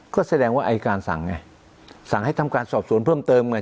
ก็แสดงว่าอายการสั่งไงสั่งให้ทำการสอบสวนเพิ่มเติมไง